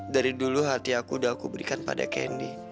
dari dulu hati aku udah aku berikan pada kendi